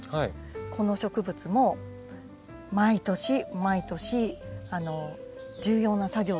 この植物も毎年毎年重要な作業があるんですよ。